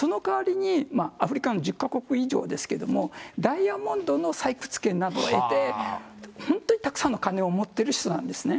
その代わりにアフリカの１０か国以上ですけども、ダイヤモンドの採掘権などを得て、本当にたくさんの金を持っている人なんですね。